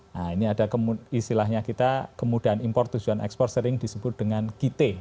nah ini ada istilahnya kita kemudahan impor tujuan ekspor sering disebut dengan kit